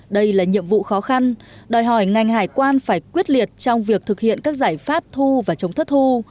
đây là nhiệm vụ khó khăn đòi hỏi ngành hải quan phải quyết liệt trong việc thực hiện các giải pháp thu và chống thất thu